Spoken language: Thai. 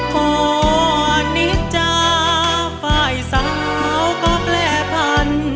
ขออนิจจาฝ่ายสาวก็แปลภัณฑ์